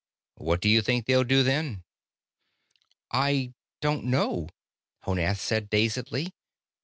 What do you think they'll do then?" "I don't know," Honath said dazedly.